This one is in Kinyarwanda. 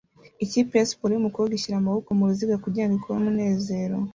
Ikipe ya siporo yumukobwa ishyira amaboko muruziga kugirango ikore umunezero